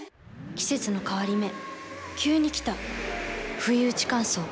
季節の変わり目急に来たふいうち乾燥。